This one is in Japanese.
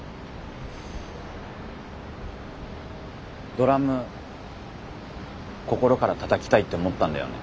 ドラム心からたたきたいって思ったんだよね。